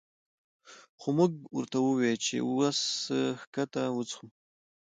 خو مونږ ورته ووې چې وس ښکته وڅښو